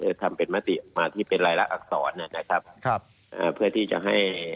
ทำเป็นมติออกมาที่เป็นรายละอักษรนะครับครับเอ่อเพื่อที่จะให้